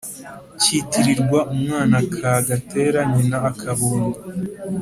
Kitirirwa umwana kagatera nyina akabondo.